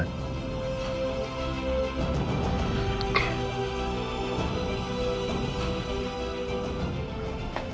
udah jagain ibu